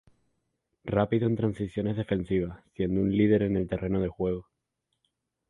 Rápido en transiciones defensivas, siendo un líder en el terreno de juego.